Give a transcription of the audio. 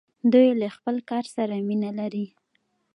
دوی له خپل کار سره مینه لري.